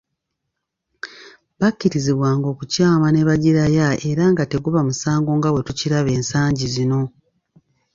Bakkirizibwanga okukyama ne bagiraya era nga teguba musango nga bwe tukiraba ensangi zino.